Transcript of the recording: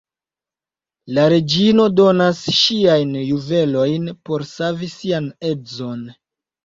La reĝino donas ŝiajn juvelojn por savi sian edzon.